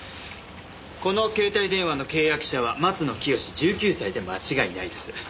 この携帯電話の契約者は松野聖１９歳で間違いないです。